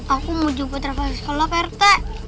aku mau jumpa trava di sekolah prt